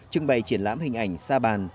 trưng bày triển lãm hình ảnh sa bàn